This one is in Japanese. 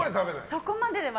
そこまでは。